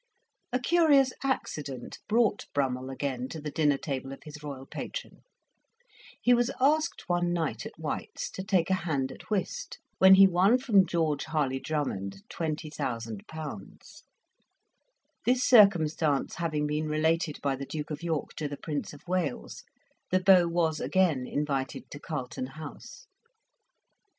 A curious accident brought Brummell again to the dinner table of his royal patron; he was asked one night at White's to take a hand at whist, when he won from George Harley Drummond 20,000£. This circumstance having been related by the Duke of York to the Prince of Wales, the beau was again invited to Carlton House.